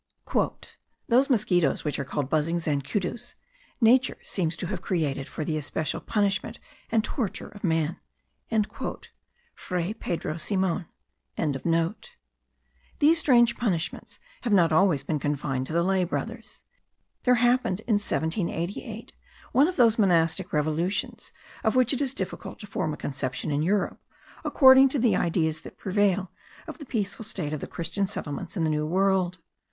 "Those mosquitos which are called buzzing zancudos, Nature seems to have created for the especial punishment and torture of man." Fray Pedro Simon.) These strange punishments have not always been confined to the lay brothers. There happened in 1788 one of those monastic revolutions, of which it is difficult to form a conception in Europe, according to the ideas that prevail of the peaceful state of the Christian settlements in the New World.